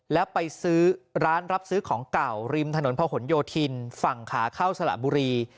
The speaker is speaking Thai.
แล้วไปซื้อร้านรับซื้อของเก่าริมถนนพะหนโยธินฝั่งขาเข้าสระบุรี